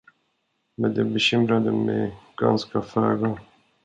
Men det bekymrade mig ganska föga.